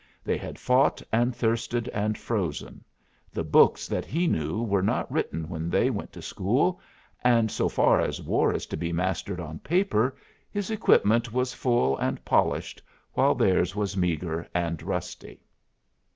They had fought and thirsted and frozen; the books that he knew were not written when they went to school; and so far as war is to be mastered on paper, his equipment was full and polished while theirs was meagre and rusty.